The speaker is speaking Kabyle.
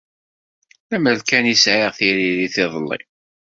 Lemmer kan i sɛiɣ tiririt iḍelli.